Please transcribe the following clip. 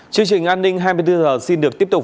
chương trình an ninh hai mươi bốn h xin được tiếp tục